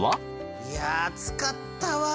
いや熱かったわ！